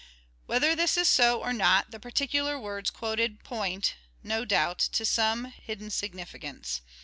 Whether this is so or not, the particular words quoted point, no doubt, to some hidden significance.